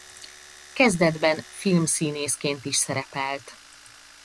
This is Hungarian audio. Kezdetben filmszínészként is szerepelt.